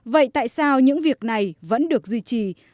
vậy tại sao những việc này vẫn được duy trì